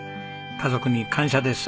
家族に感謝です。